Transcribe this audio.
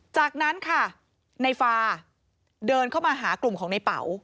จากนั้นค่ะในฟาเดินเข้ามาหากลุ่มของในเป๋า